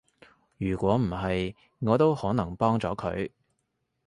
如果唔係，我都可能幫咗佢